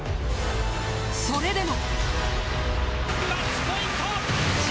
それでも。